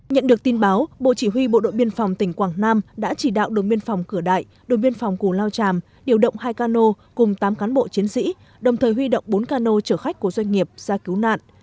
nhận được tin báo bộ chỉ huy bộ đội biên phòng tỉnh quảng nam đã chỉ đạo đồn biên phòng cửa đại đội biên phòng cù lao tràm điều động hai cano cùng tám cán bộ chiến sĩ đồng thời huy động bốn cano chở khách của doanh nghiệp ra cứu nạn